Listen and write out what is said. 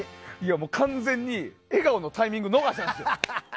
完全に笑顔のタイミング逃したんですよ。